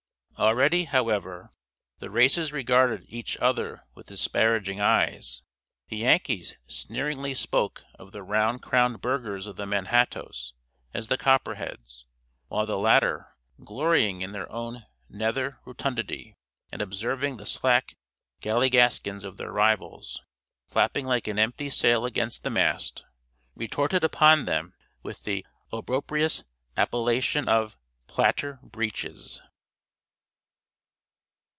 Already, however, the races regarded each other with disparaging eyes. The Yankees sneeringly spoke of the round crowned burghers of the Manhattoes as the "Copper heads;" while the latter, glorying in their own nether rotundity, and observing the slack galligaskins of their rivals, flapping like an empty sail against the mast, retorted upon them with the opprobrious appellation of "Platter breeches."